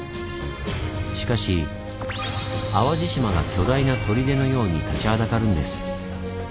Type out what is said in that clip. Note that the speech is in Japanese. しかし淡路島が巨大な砦のように立ちはだかるんです。